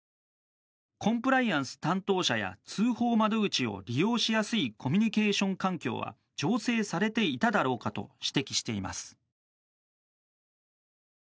コンプライアンス担当者や通報窓口を利用しやすいコミュニケーション環境は醸成されていただろうかと指摘しています。